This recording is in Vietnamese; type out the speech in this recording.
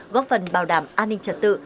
góp phần bảo đảm an ninh chất tự